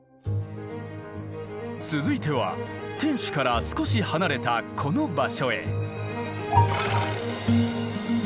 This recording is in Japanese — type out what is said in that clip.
続いては天守から少し離れたこの場所へ。